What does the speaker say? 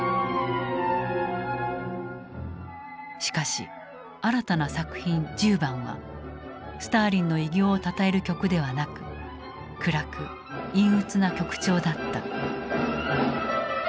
しかし新たな作品「１０番」はスターリンの偉業をたたえる曲ではなく暗く陰鬱な曲調だった。